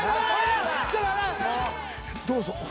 どうぞ。